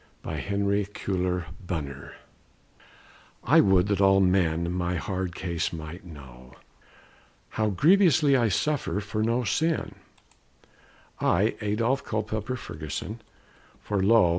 (Chant Royal) I would that all men my hard case might know; How grievously I suffer for no sin: I, Adolphe Culpepper Furguson, for lo!